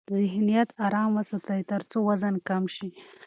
ذهنیت آرام وساتئ ترڅو وزن کم شي.